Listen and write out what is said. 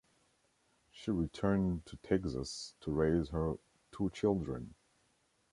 She returned to Texas to raise her two children.